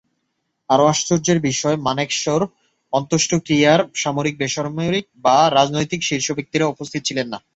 আরও আশ্চর্যের বিষয়, মানেকশ’র অন্ত্যেষ্টিক্রিয়ায় সামরিক-বেসামরিক বা রাজনৈতিক শীর্ষ ব্যক্তিরা উপস্থিত ছিলেন না।